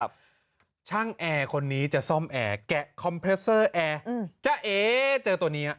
ช่างแอร์คนนี้จะซ่อมแอร์แกะคอมเพรสเซอร์แอร์จ้าเอ๊เจอตัวนี้